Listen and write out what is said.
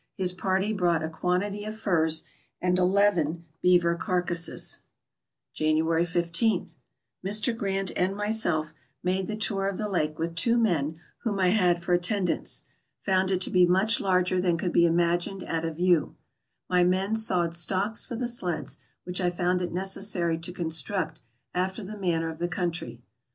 His party brought a quantity of furs and eleven beaver carcasses. January ij. — Mr. Grant and myself made the tour of the lake with two men whom I had for attendants. Found it to be much larger than could be imagined at a view. My men sawed stocks for the sleds, which I found it necessary to construct after the manner of the country.